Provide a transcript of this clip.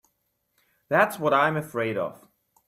That's what I'm afraid of.